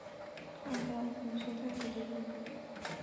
汶干府是泰国的一个府。